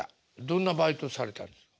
どんなバイトされたんですか？